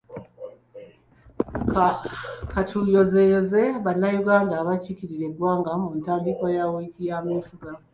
Ka tuyozeeyoze bannayuganda abakiikirira eggwanga ku ntandikwa ya wiiki y'ameefuga.